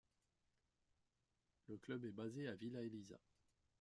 Le club est basé à Villa Elisa.